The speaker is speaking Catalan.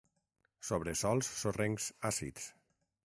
Sobre sòls sorrencs àcids.